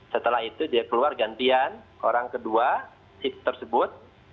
setelah itu dia keluar gantian orang kedua sik tersebut